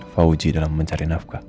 fauzi dalam mencari nafkah